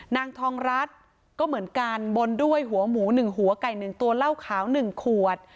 นางทองรัฐก็เหมือนกันบนด้วยหัวหมูหนึ่งหัวไก่หนึ่งตัวเหล้าขาวหนึ่งขวด